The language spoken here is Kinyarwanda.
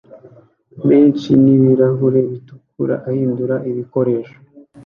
menshi nibirahuri bitukura ahindura ibikoresho